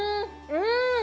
うん！